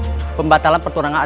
ibu tidak tahu perasaannya